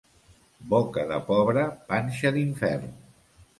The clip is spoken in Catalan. Boca de pobre, panxa d'infern.